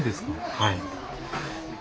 はい。